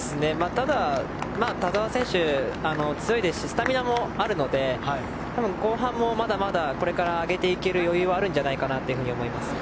ただ田澤選手、強いですしスタミナもあるので後半もまだまだこれから上げていける余裕はあるんじゃないかなと思います。